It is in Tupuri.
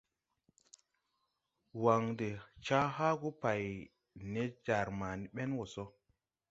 Wan de ca haagu pāy nen jar ma ni bɛn wɔ so.